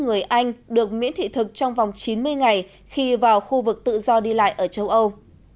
người anh được miễn thị thực trong vòng chín mươi ngày khi vào khu vực tự do đi lại ở châu âu